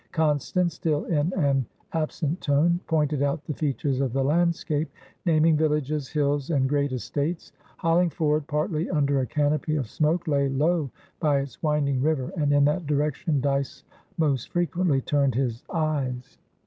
Constance, still in an absent tone, pointed out the features of the landscape, naming villages, hills, and great estates. Hollingford, partly under a canopy of smoke, lay low by its winding river, and in that direction Dyce most frequently turned his eyes.